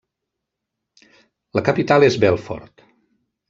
La capital és Belfort.